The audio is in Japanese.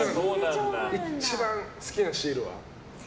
一番好きなシールは？